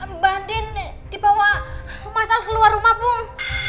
mbak andin dibawa masal keluar rumah bung